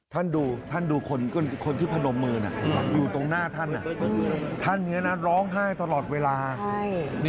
ท่านดูคนที่พนมมืออยู่ตรงหน้าท่านท่านร้องไห้ตลอดเวลานะครับ